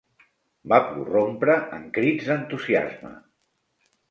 Va prorrompre en crits d'entusiasme.